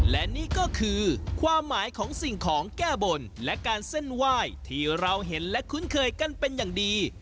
และนี่ก็คือความหมายของสิ่งของแก้บนและการเส้นไหว้ที่เราเห็นและคุ้นเคยกันเป็นอย่างดี